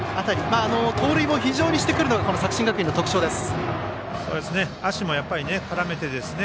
盗塁も非常にしてくるのが作新学院の特徴です。